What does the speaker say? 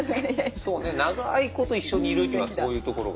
そうね長いこと一緒にいるってのはそういうところが。